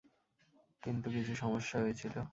কিন্তু কিছু সমস্যা হয়েছিলো।